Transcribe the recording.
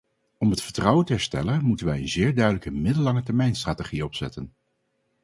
Om het vertrouwen te herstellen moeten wij een zeer duidelijke middellangetermijnstrategie opzetten.